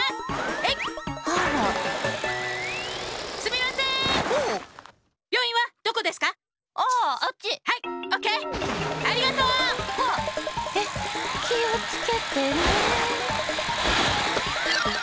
えっきをつけてね。